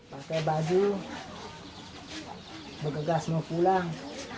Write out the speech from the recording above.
pakai baju bergegas mau pulang